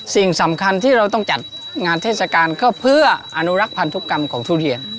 สิ่งสำคัญที่เราต้องจัดงานเทศกาลก็เพื่ออนุรักษ์พันธุกรรมของทุเรียน